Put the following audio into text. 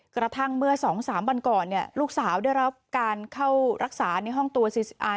กระทั่งเมื่อสองสามวันก่อนเนี่ยลูกสาวได้รับการเข้ารักษาในห้องตัวซีอาร์